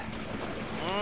うん。